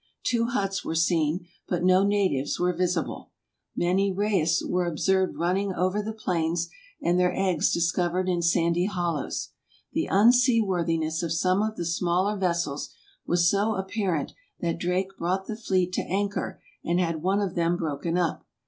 Two huts were seen, but no natives were visible. Many rheas were observed running over the plains and their eggs discovered in sandy hollows. The unseaworthiness of some of the smaller vessels was so apparent that Drake brought the fleet to anchor, and had one of them broken up.